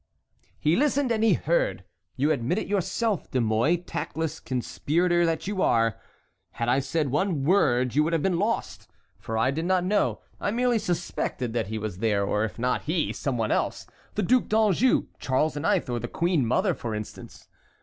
"He listened and he heard! You admit it yourself, De Mouy, tactless conspirator that you are! Had I said one word you would have been lost, for I did not know, I merely suspected that he was there, or if not he, someone else, the Duc d'Anjou, Charles IX., or the queen mother, for instance.